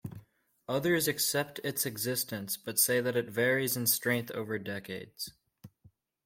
Others accept its existence but say that it varies in strength over decades.